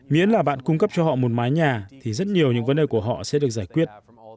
miễn là bạn cung cấp cho họ một mái nhà thì rất nhiều những vấn đề của họ sẽ được giải quyết